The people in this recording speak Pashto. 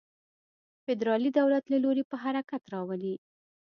فدرالي دولت له لوري په حرکت راولي.